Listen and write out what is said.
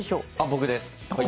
僕です。